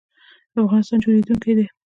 افغانستان جوړیدونکی دی